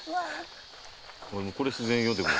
「これ自然よでも」